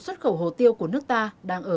xuất khẩu hồ tiêu của nước ta đang ở